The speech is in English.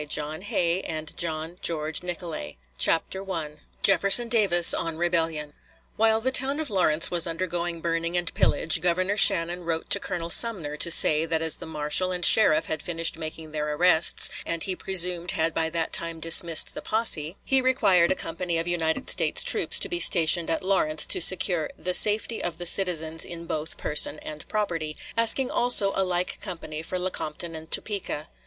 Senate Ex. Doc., 3d Sess. 34th Cong. Vol. III., p. 45. While the town of Lawrence was undergoing burning and pillage, Governor Shannon wrote to Colonel Sumner to say that as the marshal and sheriff had finished making their arrests, and he presumed had by that time dismissed the posse, he required a company of United States troops to be stationed at Lawrence to secure "the safety of the citizens in both, person and property," asking also a like company for Lecompton and Topeka.